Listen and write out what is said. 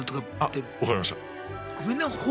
あ分かりました。